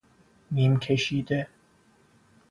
نیم کشیده